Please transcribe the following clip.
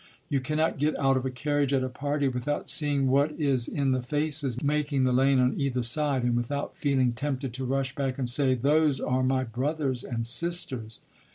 You cannot get out of a carriage at a party without seeing what is in the faces making the lane on either side, and without feeling tempted to rush back and say, 'Those are my brothers and sisters.'"